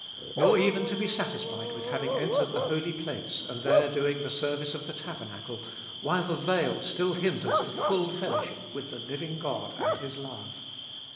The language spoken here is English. Nor even to be satisfied with having entered the Holy Place, and there doing the service of the taber nacle, while the veil still hinders the full fellowship with the living God and His love.